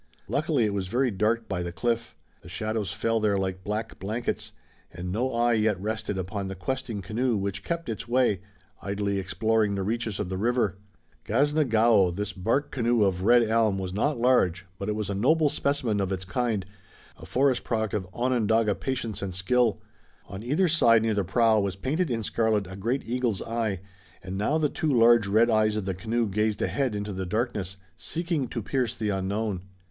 Luckily it was very dark by the cliff. The shadows fell there like black blankets, and no eye yet rested upon the questing canoe which kept its way, idly exploring the reaches of the river. Gasna Gaowo, this bark canoe of red elm, was not large, but it was a noble specimen of its kind, a forest product of Onondaga patience and skill. On either side near the prow was painted in scarlet a great eagle's eye, and now the two large red eyes of the canoe gazed ahead into the darkness, seeking to pierce the unknown.